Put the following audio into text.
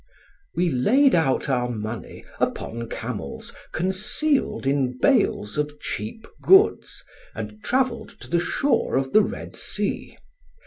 "We laid out our money upon camels, concealed in bales of cheap goods, and travelled to the shore of the Red Sea.